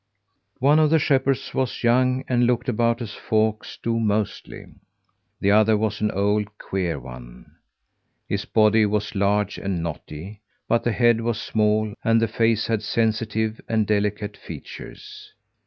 One of the shepherds was young, and looked about as folks do mostly; the other was an old queer one. His body was large and knotty, but the head was small, and the face had sensitive and delicate features.